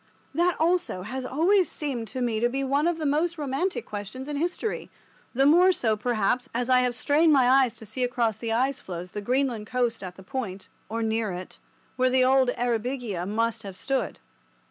That also has always seemed to me to be one of the most romantic questions in history—the more so, perhaps, as I have strained my eyes to see across the ice floes the Greenland coast at the point (or near it) where the old "Eyrbyggia" must have stood.